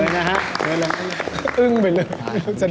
ขอบคุณครับ